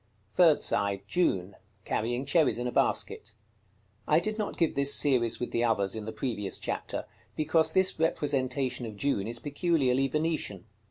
Third side. June. Carrying cherries in a basket. I did not give this series with the others in the previous chapter, because this representation of June is peculiarly Venetian.